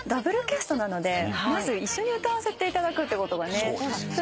Ｗキャストなのでまず一緒に歌わせていただくってことがね。